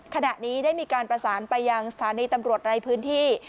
ขณะนี้ได้มีการประสานไปยังสถานีตำรวจในพื้นที่